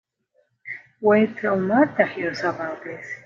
Wait till Martha hears about this.